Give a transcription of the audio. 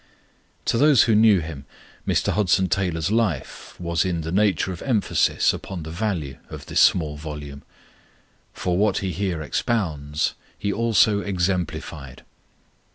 To those who knew him, Mr. Hudson Taylor's life was in the nature of emphasis upon the value of this small volume. For what he here expounds he also exemplified.